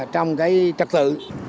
trong cái trật tự